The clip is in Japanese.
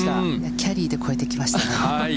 キャリーで超えてきましたね。